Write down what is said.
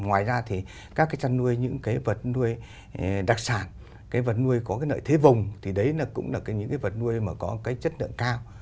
ngoài ra thì các cái chăn nuôi những cái vật nuôi đặc sản cái vật nuôi có cái lợi thế vùng thì đấy cũng là những cái vật nuôi mà có cái chất lượng cao